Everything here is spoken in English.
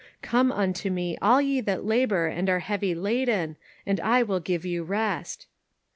" Come unto me all ye that labor and are heavy laden, and I will give you rest."